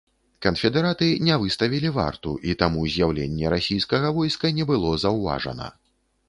Канфедэраты не выставілі варту, і таму з'яўленне расійскага войска не было заўважана.